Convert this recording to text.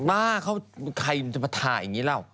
มากเขาใครจะมาถ่ายอย่างนี้แล้ว